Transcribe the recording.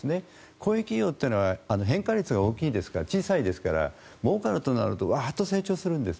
こういう企業は変化率が小さいですからもうかるとなるとワーッと成長するんです。